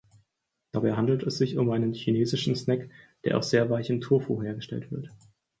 Dabei handelt es sich um einen chinesischen Snack, der aus sehr weichem Tofu hergestellt wird.